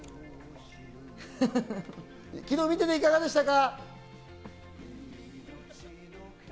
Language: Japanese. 昨日、見ていて、いかがでしたか？